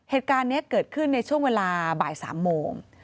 เหตุการณ์นี้เกิดขึ้นในช่วงเวลาบ่าย๓โมง